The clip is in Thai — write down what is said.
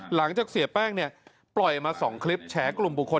หลังจากเสียแป้งเนี่ยปล่อยมา๒คลิปแฉกลุ่มบุคคล